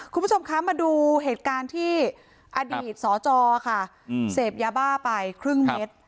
คุณผู้ชมคะมาดูเหตุการณ์ที่อดีตสจค่ะเสพยาบ้าไปครึ่งเม็ด